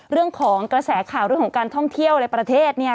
เรื่องของกระแสข่าวเรื่องของการท่องเที่ยวในประเทศ